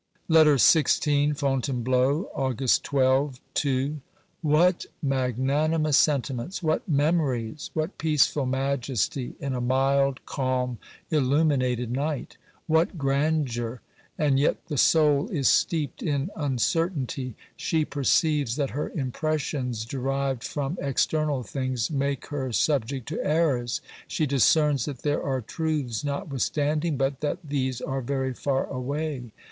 64 OBERMANN LETTER XVI FONTAINEBLEAU, August 12 (II). What magnanimous sentiments ! What memories ! What peaceful majesty in a mild, calm, illuminated night ! What grandeur ! And yet the soul is steeped in uncertainty. She perceives that her impressions, derived from external things, make her subject to errors ; she discerns that there are truths notwithstanding, but that these are very far away.